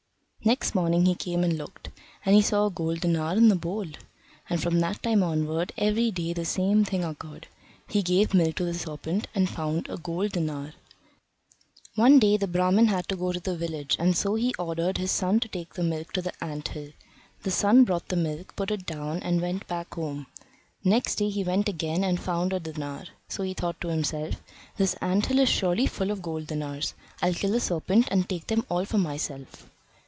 Next morning he came and looked, and he saw a gold denar in the bowl, and from that time onward every day the same thing occurred: he gave milk to the serpent and found a gold denar. One day the Brahman had to go to the village, and so he ordered his son to take the milk to the ant hill. The son brought the milk, put it down, and went back home. Next day he went again and found a denar, so he thought to himself: "This ant hill is surely full of golden denars; I'll kill the serpent, and take them all for myself."